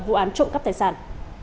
vụ án trộm cắp tài sản